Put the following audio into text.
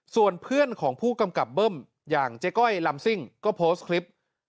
ส่วนเพื่อนของผู้กำกับเบิ้มอย่างเจ๊ก้อยลำซิ่งก็โพสต์คลิป